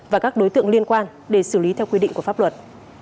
và các đối tượng liên quan để xử lý theo quy định của pháp luật